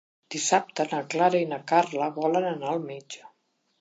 Dissabte na Clara i na Carla volen anar al metge.